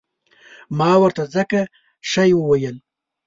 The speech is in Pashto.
ما ورته ځکه شی وویل.